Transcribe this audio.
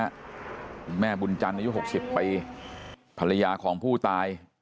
แม่บุญจันทร์อายุหกสิบปีภรรยาของผู้ตาย